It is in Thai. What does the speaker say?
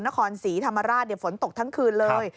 นครศรีธรรมราชฝนตกทั้งคืนเลย